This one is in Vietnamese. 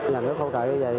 nhà nước không trợ như vậy